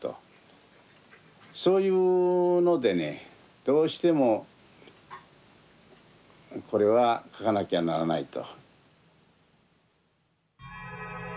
そういうのでねどうしてもこれは描かなきゃならないと。